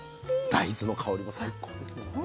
大豆の香りも最高ですよね。